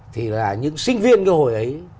thì là những sinh viên cái hồi ấy